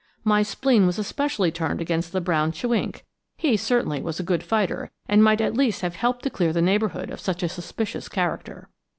My spleen was especially turned against the brown chewink; he certainly was a good fighter, and might at least have helped to clear the neighborhood of such a suspicious character.